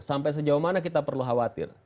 sampai sejauh mana kita perlu khawatir